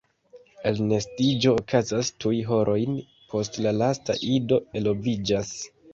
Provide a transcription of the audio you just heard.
Elnestiĝo okazas tuj horojn post la lasta ido eloviĝas.